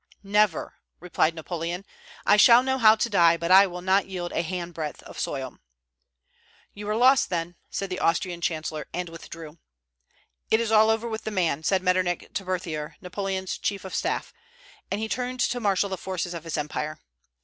"Never!" replied Napoleon; "I shall know how to die, but I will not yield a handbreadth of soil." "You are lost, then," said the Austrian chancellor, and withdrew. "It is all over with the man," said Metternich to Berthier, Napoleon's chief of staff; and he turned to marshal the forces of his empire.